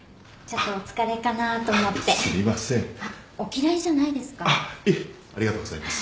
あっいえありがとうございます。